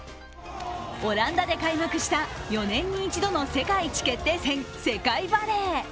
オランダで開幕した４年に１度の世界一決定戦、世界バレー。